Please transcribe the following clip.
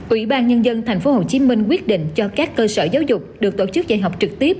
ủy ban nhân dân tp hcm quyết định cho các cơ sở giáo dục được tổ chức dạy học trực tiếp